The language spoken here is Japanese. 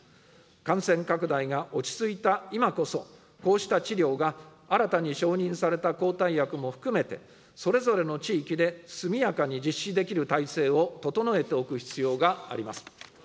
感染拡大が落ち着いた今こそ、こうした治療が、新たに承認された抗体薬も含めて、それぞれの地域で速やかに実施できる体制を整えておく必要があります。